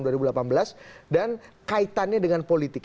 dan kaitannya dengan politik